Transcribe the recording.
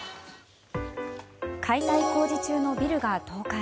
解体工事中のビルが倒壊。